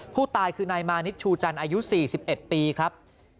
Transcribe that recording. ผู้ตายคือนายมานิดชูจันทร์อายุ๔๑ปีครับ